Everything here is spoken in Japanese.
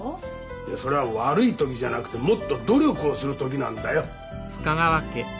いやそりゃ悪い時じゃなくてもっと努力をする時なんだよ。